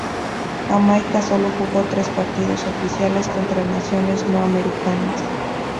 Jamaica solo jugó tres partidos oficiales contra naciones no americanas.